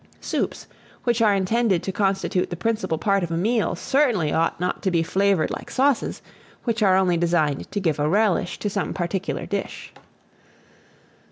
Soups, which are intended to constitute the principal part of a meal, certainly ought not to be flavoured like sauces, which are only designed to give a relish to some particular dish.